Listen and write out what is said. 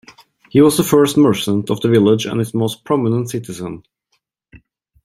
He was the first merchant of the village and its most prominent citizen.